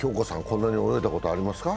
こんなに及んだことありますか？